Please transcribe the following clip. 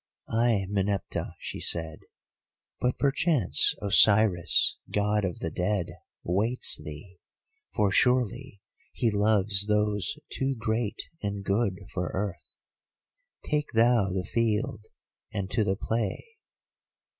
"'Ay, Meneptah,' she said, 'but perchance Osiris, God of the Dead, waits thee, for surely he loves those too great and good for earth. Take thou the field and to the play.